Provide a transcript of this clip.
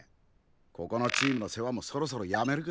ここのチームの世話もそろそろやめるか。